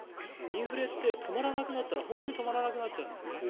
インフレって止まらなくなったら本当に止まらなくなっちゃうんですね。